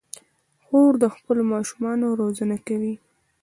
خور د خپلو ماشومانو روزنه کوي.